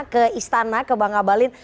ke istana ke bang abalin